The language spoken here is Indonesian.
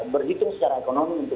berhitung secara ekonomi untuk